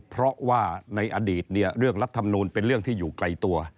เพราะว่าในอดีตเนี่ยเรื่องรัฐมนูลเป็นเรื่องที่อยู่ไกลตัว